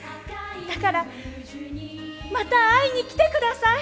だからまた会いに来て下さい。